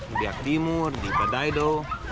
di biak timur di badaido